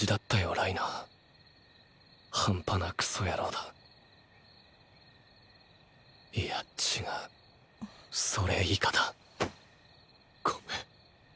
ライナー半端なクソ野郎だいや違うそれ以下だごめん。